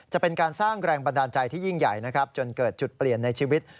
จะเป็นการสร้างแรงบันดาลใจที่ยิ่งใหญ่นะครับจนเกิดจุดเปลี่ยนในชีวิต